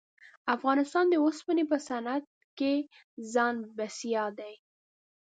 افغانستان د اوسپنې په صنعت کښې ځان بسیا دی.